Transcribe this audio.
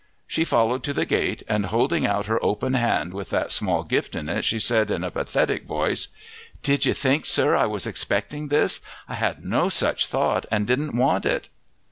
She followed to the gate, and holding out her open hand with that small gift in it, she said in a pathetic voice, "Did you think, sir, I was expecting this? I had no such thought and didn't want it."